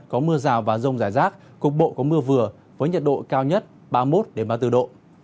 có mưa rào và rông rải rác cục bộ có mưa vừa với nhiệt độ cao nhất ba mươi một ba mươi bốn độ